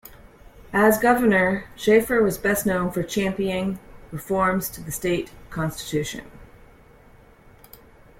As governor, Shafer was best known for championing reforms to the state constitution.